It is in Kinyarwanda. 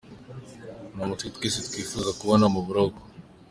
ni umuntu twese twifuza kubona mu buroko.